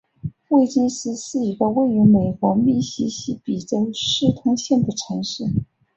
威金斯是一个位于美国密西西比州斯通县的城市。